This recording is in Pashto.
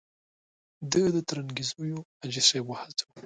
ده د ترنګزیو حاجي صاحب وهڅاوه.